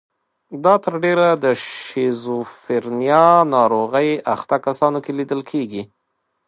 دا تر ډېره د شیزوفرنیا ناروغۍ اخته کسانو کې لیدل کیږي.